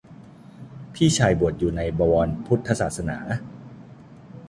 พี่ชายบวชอยู่ในบวรพุทธศาสนา